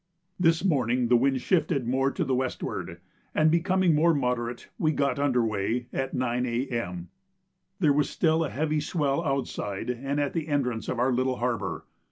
This morning the wind shifted more to the westward, and becoming more moderate, we got under weigh at 9 A.M. There was still a heavy swell outside and at the entrance of our little harbour.